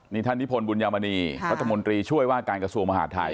นี่ท่านนิพนธบุญยามณีรัฐมนตรีช่วยว่าการกระทรวงมหาดไทย